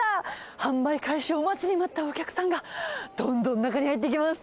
販売開始を待ちに待ったお客さんがどんどん中に入っていきます。